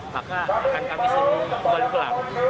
maka rekan kami suruh kembali pulang